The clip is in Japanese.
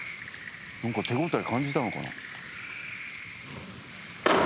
何か手応え感じたのかな？